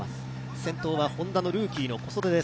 先頭はＨｏｎｄａのルーキーの小袖です。